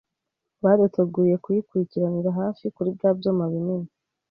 baduteguriye kuyikurikiranira hafi kuri bya byuma binini